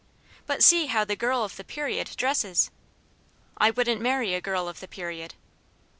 " But see how * the girl of the period * dresses 1 "" I wouldn't marry a girl of the period."